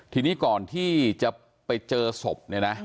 ทีนี้ก่อนที่จะไปเจอสบ